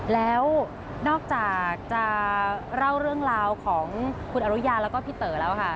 แล้วนอกจากจะเล่าเรื่องราวของคุณอรุยาแล้วก็พี่เต๋อแล้วค่ะ